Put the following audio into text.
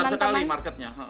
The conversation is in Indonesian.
bisa sekali marketnya